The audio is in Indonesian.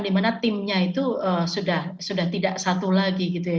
dimana timnya itu sudah tidak satu lagi gitu ya